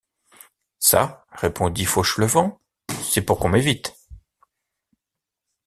Ça? répondit Fauchelevent, c’est pour qu’on m’évite.